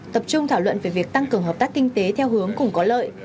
tập trung thảo luận về việc tăng cường hợp tác kinh tế theo hướng cùng có lợi